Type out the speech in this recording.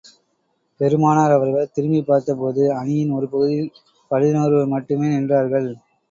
பெருமானார் அவர்கள் திரும்பிப் பார்த்த போது, அணியின் ஒரு பகுதியில் பதினொருவர் மட்டுமே நின்றார்கள்.